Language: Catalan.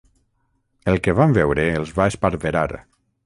El que van veure els va esparverar.